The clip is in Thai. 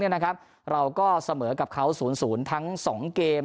เนี้ยนะครับเราก็เสมอกับเขาศูนย์ศูนย์ทั้งสองเกม